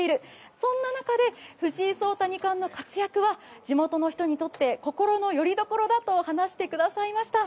そんな中で藤井聡太二冠の活躍は地元の人にとって心のよりどころだと話してくださいました。